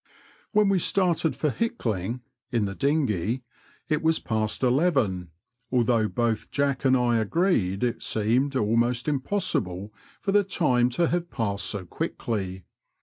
When we started for Hickling (in the dinghey) it was past eleven, although both Jack and I agreed it seemed almost impossible for the time to have passed so quickly.